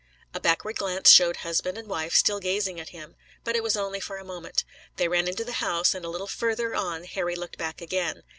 A backward glance showed husband and wife still gazing at him. But it was only for a moment. They ran into the house and a little further on Harry looked back again.